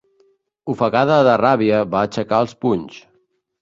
Ofegada de ràbia, va aixecar els punys.